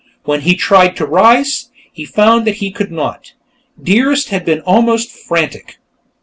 When he tried to rise, he found that he could not. Dearest had been almost frantic.